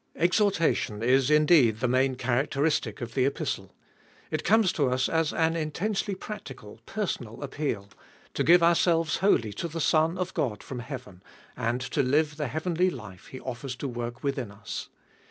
Exhortation is indeed the main characteristic of the Epistle. It conies to us as an intensely practical, personal appeal, to give ourselves wholly to the Son of God from heaven, and to live the heavenly life He offers to work within us.